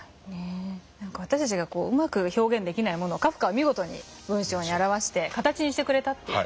私たちがうまく表現できないものをカフカは見事に文章に表して形にしてくれたという。